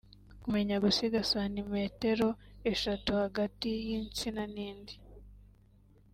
Kumenya gusiga santimetero eshatu hagati y’insina n’indi